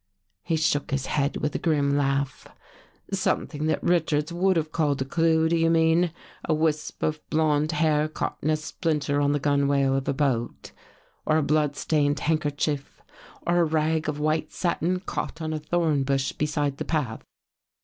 He shook his head with a grim laugh. " Some thing that Richards would have called a clue, do you mean? A wisp of blond hair caught in a splinter on the gunwale of a boat, or a blood stained handkerchief, or a rag of white satin caught on a thorn bush beside the path?